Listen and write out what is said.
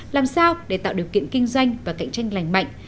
làm sao để tạo điều kiện kinh doanh và cạnh tranh lành mạnh